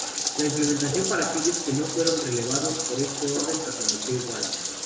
La implementación para aquellos que no fueron relevados por este orden permaneció igual.